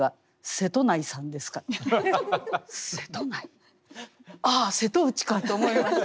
瀬戸内ああ瀬戸内かと思いました。